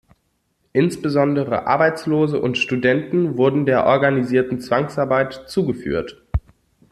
Insbesondere Arbeitslose und Studenten wurden der organisierten Zwangsarbeit zugeführt.